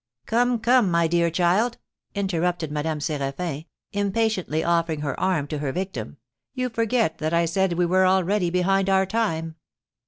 "Come, come, my dear child!" interrupted Madame Séraphin, impatiently offering her arm to her victim, "you forget that I said we were already behind our time."